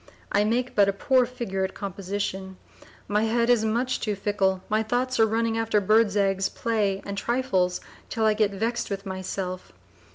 I make but a poor figure at composition, my head is much too fickle, my thoughts are running after birds' eggs, play and trifles till I get vexed with myself.